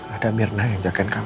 ada mirna yang jagain kamu